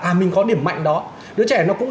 à mình có điểm mạnh đó đứa trẻ nó cũng